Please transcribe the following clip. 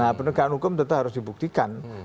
nah penegakan hukum tetap harus dibuktikan